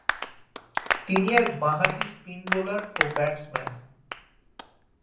তিনি এক বাঁ-হাতি স্পিন বোলার ও ব্যাটসম্যান।